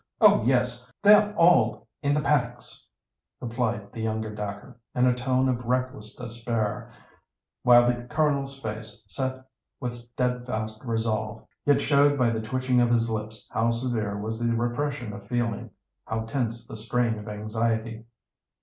Oh, yes—they're all in the paddocks," replied the younger Dacre, in a tone of reckless despair, while the Colonel's face set with steadfast resolve, yet showed by the twitching of his lips how severe was the repression of feeling—how tense the strain of anxiety.